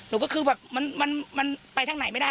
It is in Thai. นูก็คือแบบเหมือนมันไปทางไหนไม่ได้